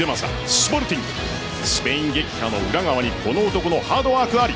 スポルティングスペイン撃破の裏側にこの男のハードワークあり。